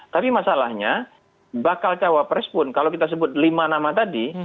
tapi masalahnya bakal cawapres pun kalau kita sebut lima nama tadi